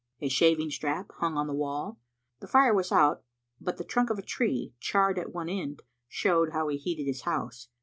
A shaving strap hung on the wall. The fire was out, but the trunk of a tree, charred at one end, showed how he heated his house.